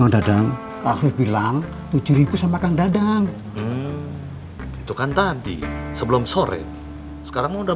lima ribu tujuh ribu yang dadang pasti bilang tujuh ribu sama kang dadang itu kan tadi sebelum sore sekarang udah